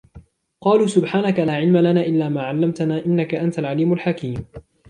قَالُوا سُبْحَانَكَ لَا عِلْمَ لَنَا إِلَّا مَا عَلَّمْتَنَا إِنَّكَ أَنْتَ الْعَلِيمُ الْحَكِيمُ